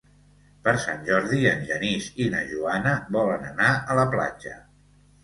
Per Sant Jordi en Genís i na Joana volen anar a la platja.